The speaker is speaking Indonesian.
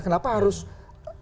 kenapa harus bypass gitu